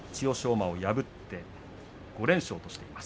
馬を破って５連勝としています。